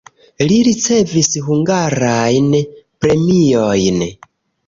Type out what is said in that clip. Li ricevis hungarajn premiojn.